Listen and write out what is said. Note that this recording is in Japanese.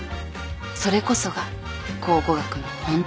それこそが考古学の本当の喜び。